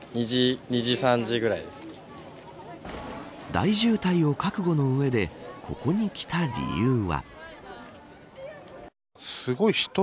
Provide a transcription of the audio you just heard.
大渋滞を覚悟の上でここに来た理由は。